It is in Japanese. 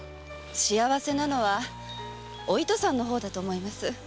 幸せなのはお糸さんの方だと思います。